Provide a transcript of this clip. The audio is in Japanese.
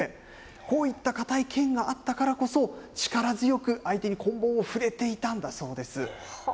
こういった硬いけんがあったからこそ、力強く相手にこん棒を振れていたんだそうです。